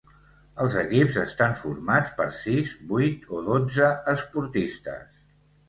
Els equips estan formats per sis, vuit o dotze esportistes.